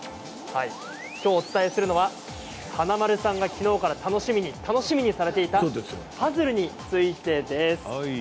きょうお伝えするのは華丸さんが、きのうから楽しみに楽しみにされていたパズルについてです。